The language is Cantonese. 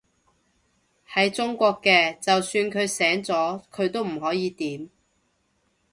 喺中國嘅，就算佢醒咗，佢都唔可以點